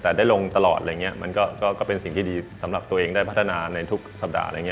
แต่ได้ลงตลอดมันก็เป็นสิ่งที่ดีสำหรับตัวเองได้พัฒนาในทุกสัปดาห์